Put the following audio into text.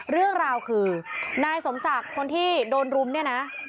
เรื่องราวคือนายสมศักดิ์คนที่โดนรุมเนี่ยนะ